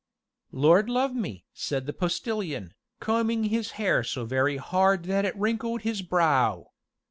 "Lord love me!" said the Postilion, combing his hair so very hard that it wrinkled his brow.